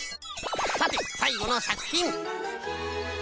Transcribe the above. さてさいごのさくひん。